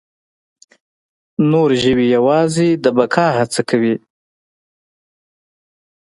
نور ژوي یواځې د بقا هڅه کوي.